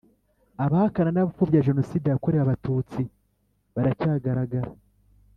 abahakana n’abapfobya Jenoside yakorewe Abatutsi baracyagaragara